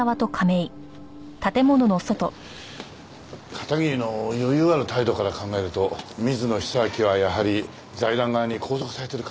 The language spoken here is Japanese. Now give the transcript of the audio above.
片桐の余裕ある態度から考えると水野久明はやはり財団側に拘束されている可能性が高いですね。